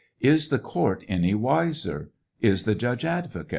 Is the court any wiser 1 Is the judge advocate